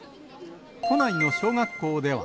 都内の小学校では。